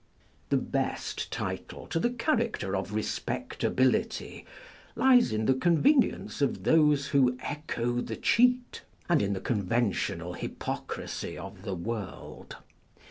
The best title to the character of respectability lies in the convenience of those who echo the cheat, and in the con ventional hypocrisy of the world.